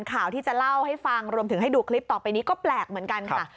ข่าวที่จะเล่าให้ฟังรวมถึงให้ดูคลิปต่อไปนี้ก็แปลกเหมือนกันค่ะ